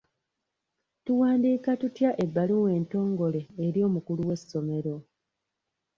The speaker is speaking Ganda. Tuwandiika tutya ebbaluwa entongole eri omukulu w'essomero?